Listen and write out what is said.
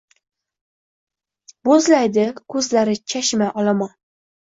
Boʻzlaydi koʻzlari chashma olomon.